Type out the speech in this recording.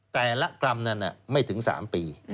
แต่ละกรัมนั้นไม่ถึง๓ปี